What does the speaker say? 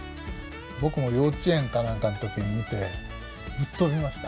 僕も幼稚園か何かの時に見てぶっ飛びました。